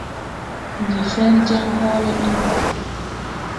Ndi fer jeŋ hoole ɓi no.